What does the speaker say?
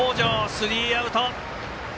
スリーアウト。